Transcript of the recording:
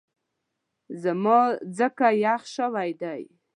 زما ځکه یخ شوی دی